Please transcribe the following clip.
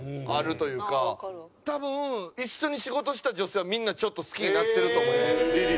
多分一緒に仕事した女性はみんなちょっと好きになってると思います。